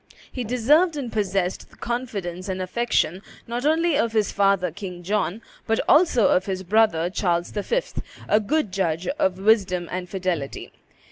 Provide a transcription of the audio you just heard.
He deserved and possessed the confidence and affection not only of his father, King John, but also of his brother, Charles V., a good judge of wisdom and fidelity.